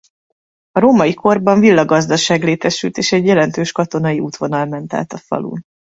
A római korban villagazdaság létesült és egy jelentős katonai útvonal ment át a falun.